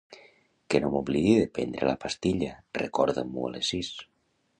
Que no m'oblidi de prendre la pastilla, recorda-m'ho a les sis.